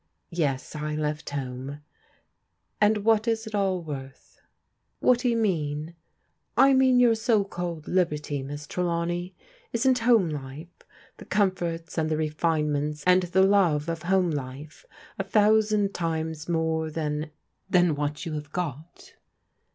" Yes, I left home." Aiid what is it all worth?'* 856 PRODIGAL DAUQHTEBS *" What do you mean ?"*" I mean your so called liberty. Miss Trelawney. Isn't home life, the comforts and the refinements and the love of home life a thousand times more than — than what you have got?"